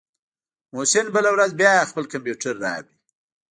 محسن بله ورځ بيا خپل کمپيوټر راوړ.